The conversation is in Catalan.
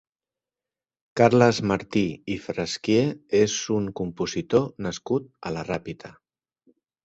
Carles Martí i Frasquier és un compositor nascut a la Ràpita.